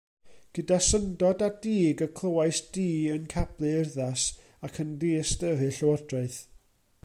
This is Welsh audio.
Gyda syndod a dig y clywais di yn cablu urddas, ac yn diystyru llywodraeth.